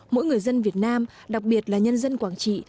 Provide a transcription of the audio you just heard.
mỗi người dân việt nam đặc biệt là nhân dân quảng trị